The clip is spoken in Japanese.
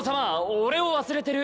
俺を忘れてる。